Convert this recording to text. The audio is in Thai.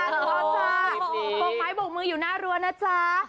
โบกไม้โบกมืออยู่หน้ารั้วนะจ๊ะ